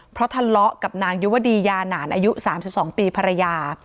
เพราะทะเลาะกับนางยุวดียาหนานอายุ๓๒ปีภรรยา